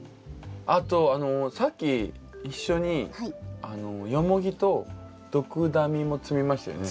あとさっき一緒にヨモギとドクダミも摘みましたよね。